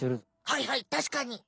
はいはいたしかに！